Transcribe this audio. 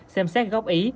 xem xét góp ý